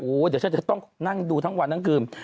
เดี๋ยวฉันจะต้องนั่งดูทั้งวันทั้งคืน